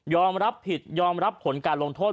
รับผิดยอมรับผลการลงโทษ